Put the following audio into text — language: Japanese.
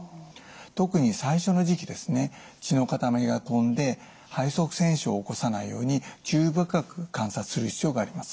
特に最初の時期ですね血の塊がとんで肺塞栓症を起こさないように注意深く観察する必要があります。